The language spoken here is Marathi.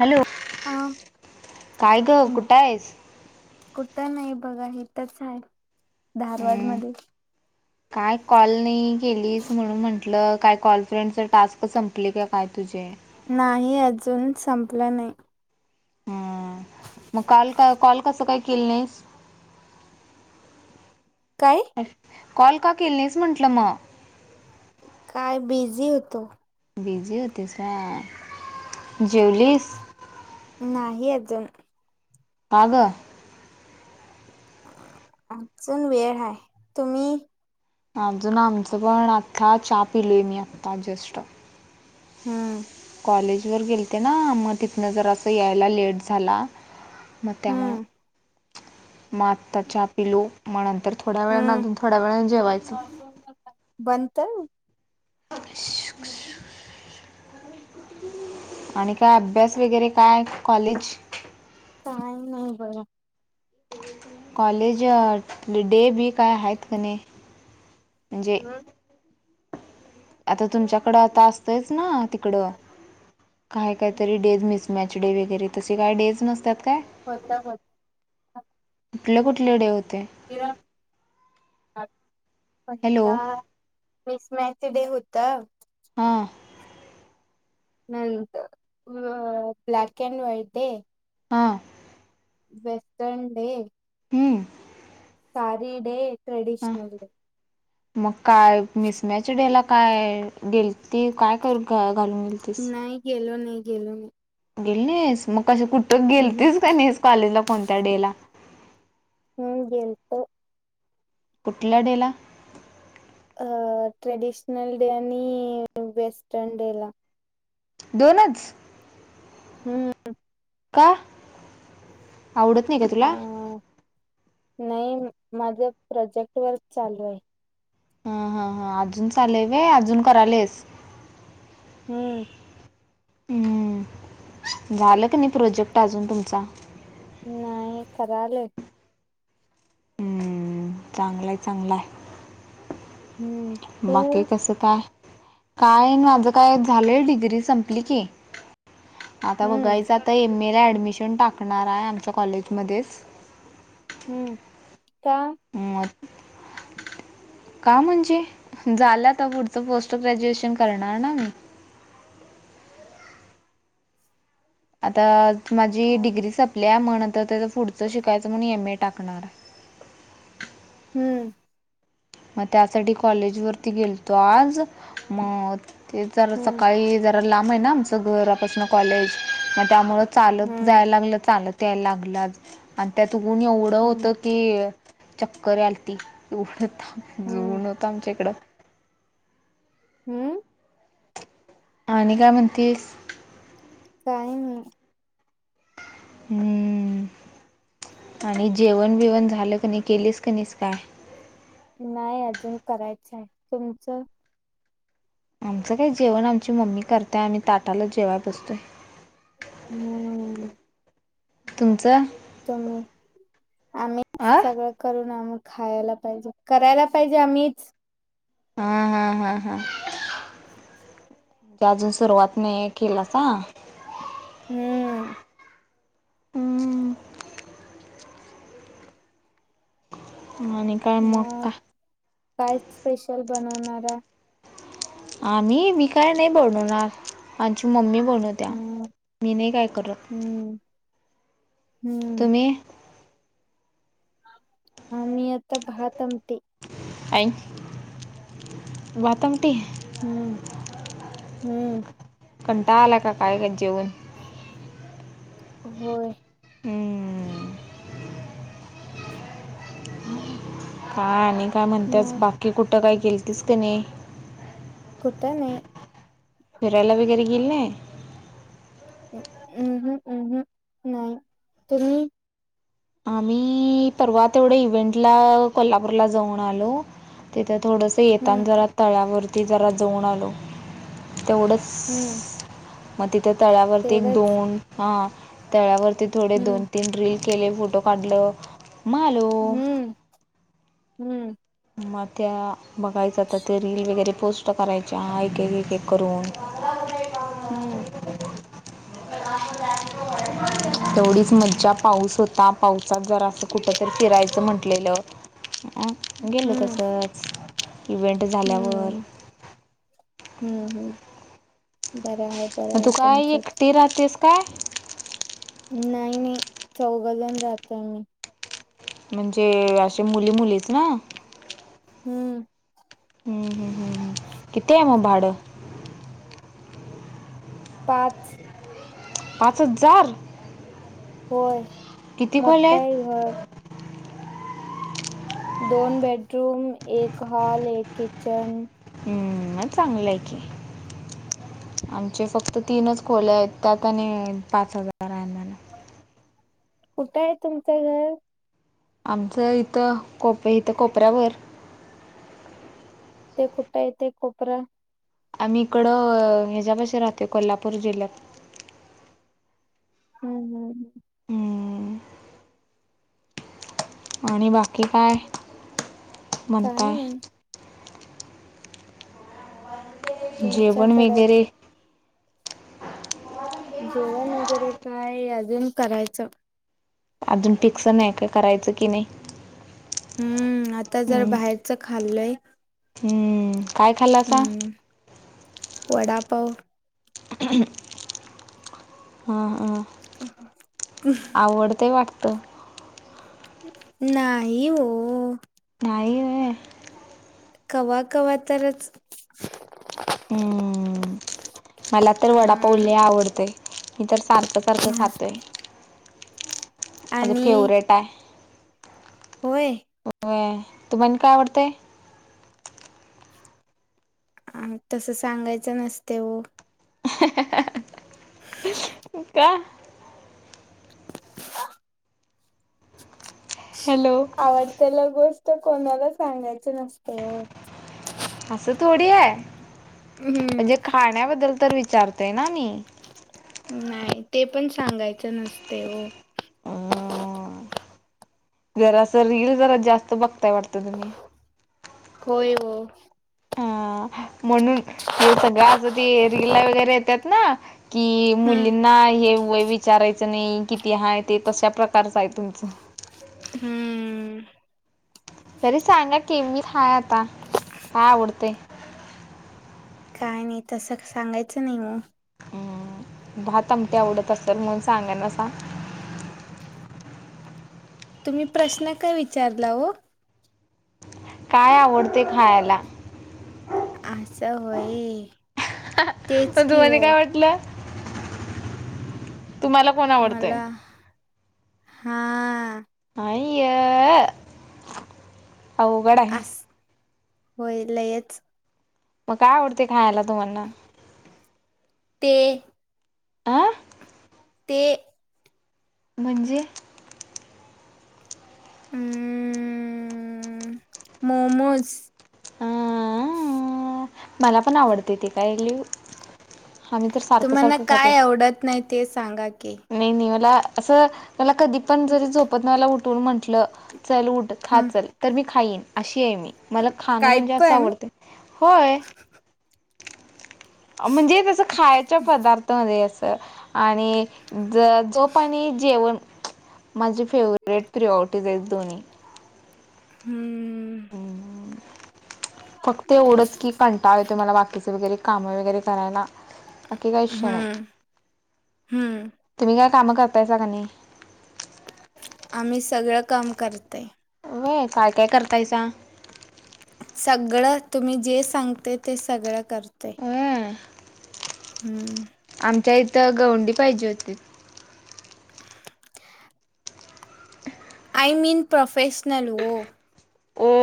हॅलो. हा, काय ग हम्म. कुठं आहेस कुठ नायी बघा हितच हाय हम्म, धारवाडमध्ये. [inaudible] काय कॉल नई केलीस म्हणून म्हंटलं काय कॉल फ्रेंडच टास्क संपले की काय तुझे? नाही अजून संपलं नाही. हम्म. मग काल का कॉल कस काय केली नाहीस? काय? कॉल का केली नाईस म्हंटलं मग? काय बिझी होतो. बिझी होतीस हा. जेवलीस? नाही अजून. का ग? अजून वेळ हाय. तुम्ही? अजून आमचं पण आत्ता चहा पिलोय मी आत्ता जस्ट. हम्म. कॉलेजवर गेलते ना मग तिथनं जरास यायला लेट झाला. मग त्यामुळं हम्म मग आता चहा पिलो. मग नंतर थोड्या वेळानं अजून थोड्या वेळानं जेवायचं. बनतयं [inaudible] आणि काय अभ्यास वगैरे काय कॉलेज काय नाही बघा. कॉलेजात डे बी काय हायेत की नई? अं? आता तुमच्याकडं अता असतंच ना तिकडं काय काहीतरी डेज मिस मॅच डे वैगेरे तसे काय डेज नसतात काय? होतात होत कुठले कुठले डे होते? हॅलो [unintelligible] मिसमॅचचे डे होतं. हा. नंतर अ ब्लॅक एन्ड व्हाईट डे. हा. Western day. हं. Sari day, traditional day. मग काय मिसमॅच डेला काय गेलती काय करू काय घालून गेलतीस नाही गेलो नायी गेलो नई. गेली नाय आज मग कश कुठं हम्म हम्म. गेलतेस काय नायीस कॉलेज ला कोणत्या डेला. हम्म गेलतो कुठल्या डेला? अ ट्रेडिशनल डे आणि वेस्टर्न डेला. दोनच? हम्म. का, आवडत नाही का अ तुला? नाही माझं प्रोजेक्ट वर्क चालू आहे. हा हा हा अजून चालेय काय अजून करालेस? हम्म. हम्म झालं का नाही प्रोजेक्ट अजून तुमचा? नाही कराले. हम्म. चांगला चांगला आहे. हम्म. तू बाकी कसं काय? काय नाय माझं काय झालंय डिग्री संपली की. आता हम्म बघायचं आता एम ए ला ऍडमिशन टाकणार आहे आमच्या कॉलेजमध्येच. हम्म, काय? मत का म्हणजे झालं आता पुढचं पोस्ट ग्रॅज्युएशन करणार ना मी. आता माझी डिग्री संपली आहे म नंतर त्याचा पुढचं शिकायचं म्हणून एम ए टाकणार आहे. हम्म. मग त्यासाठी कॉलेज वरती गेलतो आज म ते जरा हम्म सकाळी ज रा लांब आहे ना आमचं घरापासून कॉलेज मग त्यामुळं चालत हम्म जायला लागलं चालत त्या लागलाच आणि त्यात ऊन एवढं हम्म होतं की चक्कर आलती एवढं ता आज हम्म ऊन होतं आमच्या इकडं. हम्म. आणि काय म्हणतीस? काही नाय. हम्म आणि जेवण बिवण झालं क नाही केलेस क निस काय? नाय अजून करायचं आहे तुमचं? आमचं काय जेवण आमची मम्मी करताय आम्ही ताटाला जेवाय बसतोय. हम्म. तुमचं? तुम्ही आम्हीच आ सगळं कर ना मग खायला पाहिजे करायला पाहिजे आम्हीच. हा हा हा हा अजून सुरुवात नाही केलास आं हम्म. हम्म. आणि काय मग का काय स्पेशल बनवणार आहे? आम्ही मी काय नाही बनवणार आमची मम्मी बनवत्या हम्म मी नाय काय करत. हम्म हम्म. नी आम्ही आता भात आमटी. [unintelligible] भात आमटी. हम्म हम्म. कंटाळा आला का काय का जेवण? होय. हम्म. हा आणि काय म्हणतेस मग बाकी कुठं काय गेलतीस क नये? कुठं नाही फिरायला वगैरे गेल नाय? नाय तुम्ही? आम्ही परवा तेवढ्या इव्हेंटला कोल्हापूरला जाऊन आलो. तिथे थोडसा ते येताना हम्म जरा तळ्यावरती जरा जाऊन आलो तेवढंच. हम्म मग तिथे तळ्यावरती तेवढंच दोन हा तळ्यावरती थोडे दोन हम्म तीन रील केले, फोटो काढलं. मग आलो हम्म हम्म. मग त्या बघायचा तर ते रील वगैरे पोस्ट करायच्या एक-एक करून. हम्म. हम्म तेवढीच मज्जा पाऊस होता पावसात जरा असं कुठंतरी फिरायचं म्हटलेलं अं गेलं हम्म तसंच इवेंट झाल्यावर. हम्म हम्म हम्म बरं आहेत. मग तू काय एकटी राहतेस काय? नाही नाही चौघजन राहतोय आम्ही. म्हणजे अशे मुली मुलीच ना? हम्म. हम्म हम्म हम्म किती आहे भाडं? पाच पाच हजार! होय किती खोल्या मोठा आहेत आहे घर. दोन बेडरूम, एक हॉल, एक किचन. हम्म चांगलं आहे की. आमचे फक्त तीनच खोले आहेत त्यात आणि पाच हजार आहे आम्हाला. कुठं आहे तुमचं घर? आमचं इथं कोपे इथं कोपऱ्यावर. ते कुठं येते कोपऱ्या? आम्ही इकडं ह्याच्यापशी राहतो कोल्हापूर जिल्ह्यात. हम्म हम्म. हम्म. आणि बाकी काय? काय म्हणताय नाय. जेवण तुमच्याकडं वगैरे जेवण वगैरे काय अजून करायचं. अजून टीक्सर नाही काय करायचं की नाही. हम्म आता जर हम्म बाहेरच खाल्लंय. हम्म. काय खाल्लासा म्हणून वडापाव. ह हां हां. अ ह आवडतय वाटतं? नाही हो. नाही व्हय. कव्हा कव्हा तरच हम्म मला तर हा वडापाव ले आवडतय मी तर सारखच सारखं खातोय माझं आणि फेवरेट आहे. होय होय तुम्हाला काय आवडतंय? आ तसं सांगायचं नसते ओ. हे हे हे [inaudible] कां [inaudible] हॅलो आवडतेल गोष्ट कोणाला सांगायच नसते. असं थोडी आहे हम्म. म्हणजे खाण्याबद्दल तर विचारतय ना मी. नाही ते पण सांगायचं नसते हो. जरा असं रील जरा जास्त बघताय वाटतं तुम्ही. खोय हो. हा म्हणून हे सगळं असं ते रिला वगैरे येतात ना कि हम्म मुलींना हे वय विचारायचं नाही किती हाय ते तसा प्रकारचं आहे तुमचं. हम्म. तरी सांगा की मीच हाय आता काय आवडतेय? काय नाही तसं सांगायचं नाही म. अम भात आमटी आवडत असेल म्हणून सांगा नसा. तुम्ही प्रश्न का विचारला हो? काय आवडते खायला? असं होय तेच पण की तुम्हाला हो. काय वाटलं तुम्हाला कोण आवडतंय मला हा. आईय अस होय लयच. म काय आवडते खायला तुम्हाना? ते आं ते म्हणजे अम मोमोज. आं मला पण आवडते ते कायलीव आम्ही तर तुम्हाला सारखं-सारखं खातोय. काय आवडत नाही ते सांगा की. नाही नाही मला असं मला कधी पण जरी झोपत नाही मला उठवून म्हटलं चल उठ खा हम्म चल तर मी खाईन अशी आहे मी मला खाणं काय म्हणजे असं पण आवडते होय. म्हणजे तसं खायच्या पदार्थ हवे असं आणि ज झोप आणि जेवण माझी फेवरेट प्रिओरिटीज आहेत दोन्ही. हम्म. हम्म. फक्त एवढंच की कंटाळ येतो मला बाकीचं वगैरे कामं वगैरे करायला. बाकी काय इच्छण आहे, हम्म हम्म तुम्ही काय काम करतायसा का नाही? आम्ही सगळं काम करतय. व्हय! काय काय करताय सांग? सगळं तुम्ही जे सांगते ते सगळं करतोय. होय. हम्म. आमच्या इथं गवंडी पाहिजे होती. आय मीन प्रोफेशनल हो. ओ